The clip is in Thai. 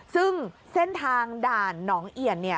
ซึ่งเส้นทางด่านหนองเหยียนเนี่ย